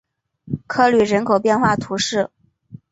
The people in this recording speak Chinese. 科吕人口变化图示